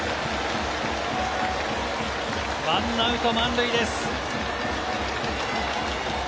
１アウト満塁です。